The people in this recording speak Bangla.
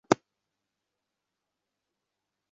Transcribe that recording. এক গ্লাস জল দাও, প্লিজ।